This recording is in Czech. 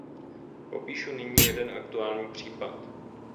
Popíšu nyní jeden aktuální případ.